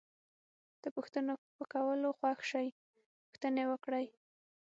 د پوښتنو په کولو خوښ شئ پوښتنې وکړئ.